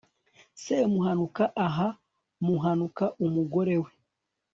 semuhanuka aha muhanuka umugore we